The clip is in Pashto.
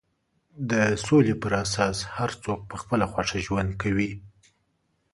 د سولې پر اساس هر څوک په خپله خوښه ژوند کوي.